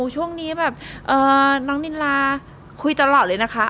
ช่วงนี้แบบน้องนินลาคุยตลอดเลยนะคะ